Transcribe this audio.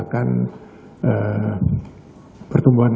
fruit bank indonesia memperkirakan